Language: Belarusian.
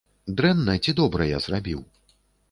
Дрэнна ці добра я зрабіў?